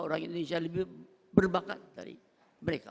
orang indonesia lebih berbakat dari mereka